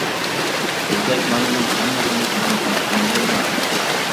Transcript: بىزدەك بالىنىڭ ھەممە غېمى ئانىغا يۈكلەنمەيدۇ.